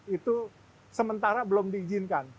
itu sementara belum diizinkan